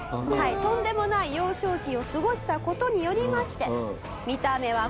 とんでもない幼少期を過ごした事によりまして。